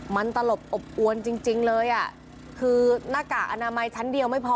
มันตลบอบอวนจริงจริงเลยอ่ะคือหน้ากากอนามัยชั้นเดียวไม่พอ